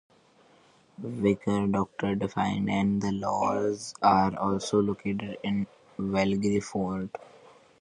Various doctors, dentists and lawyers are also located in Wallingford.